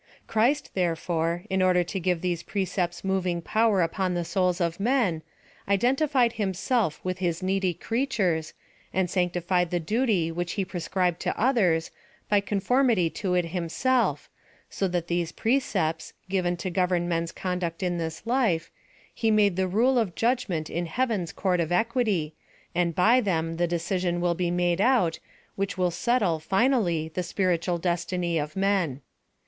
Christ, therefore, in order to give these pre cepts moving power u[)on the souls of men, identi fied himself with Iiis needy creatures, and sanc tioned the duty which he prescribed to others, by conformity to it himself, so that these precepts, given to govern men's conduct in this life, he made tlie rule of judgm.ent in heaven's court of equity, and by them the decision will be made out, which will seltle, final ly, the spiritual destiny of men.